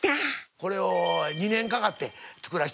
これを２年かかって作らせて頂いた。